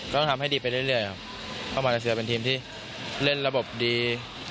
ต้องทำให้ดีไปเรื่อยครับเพราะมาเลเซียเป็นทีมที่เล่นระบบดี